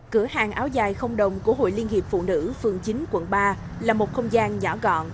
cửa hàng áo dài không đồng của hội liên hiệp phụ nữ phường chín quận ba là một không gian nhỏ gọn